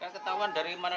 ketahuan dari mana